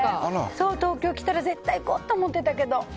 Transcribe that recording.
東京来たら絶対に行こうと思っていたけど。